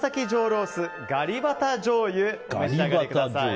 ロースガリバタ醤油お召し上がりください。